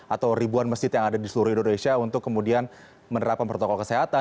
atau ribuan masjid yang ada di seluruh indonesia untuk kemudian menerapkan protokol kesehatan